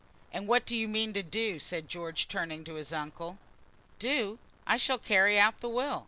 "And what do you mean to do?" said George, turning to his uncle. "Do! I shall carry out the will.